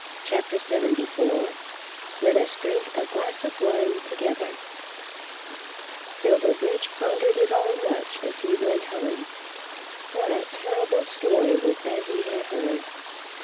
CHAPTER LXXIV "Let Us Drink a Glass of Wine Together" Silverbridge pondered it all much as he went home. What a terrible story was that he had heard!